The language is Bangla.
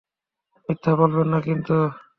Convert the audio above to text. মিথ্যা বলবেন না কিন্তু।